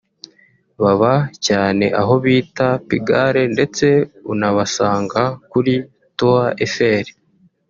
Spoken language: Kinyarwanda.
baba cyane aho bita “Pigalle” ndetse unabasanga kuri “Tour Eiffel”